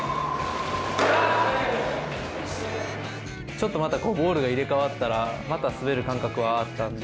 ちょっとまたボールが入れ替わったらまた滑る感覚はあったので。